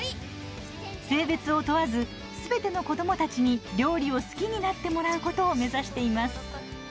性別を問わずすべての子どもたちに料理を好きになってもらうことを目指しています。